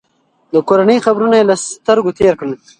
د کورنۍ قبرونه یې له سترګو تېر کړل.